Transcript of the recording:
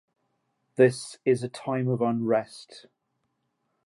This is a time of unrest.